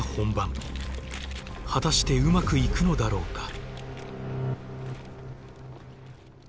果たしてうまくいくのだろうか。